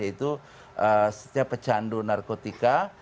yaitu setiap pecandu narkotika